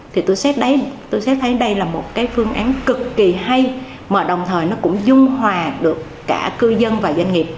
thì tôi xét thấy đây là một cái phương án cực kỳ hay mà đồng thời nó cũng dung hòa được cả cư dân và doanh nghiệp